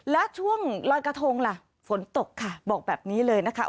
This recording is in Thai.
และช่วงลอยกระทงล่ะฝนตกค่ะบอกแบบนี้เลยนะคะ